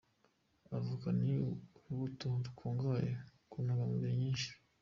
Avoka ni urubuto rukungahaye ku ntungamubiri nyinshi.